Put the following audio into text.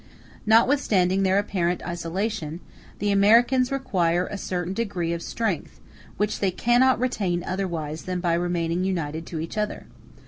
Notwithstanding their apparent isolation, the Americans require a certain degree of strength, which they cannot retain otherwise than by remaining united to each other.